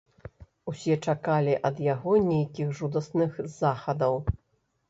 Усе чакалі ад яго нейкіх жудасных захадаў.